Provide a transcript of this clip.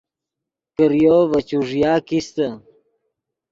کریو ڤے چوݱیا کیستے